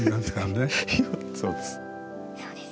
そうです。